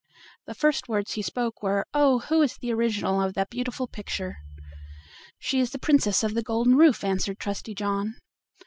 The first words he spoke were: "Oh! who is the original of the beautiful picture?" "She is the Princess of the Golden Roof," answered Trusty John.